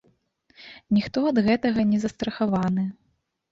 Ніхто ад гэтага не застрахаваны!